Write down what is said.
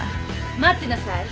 待ってなさい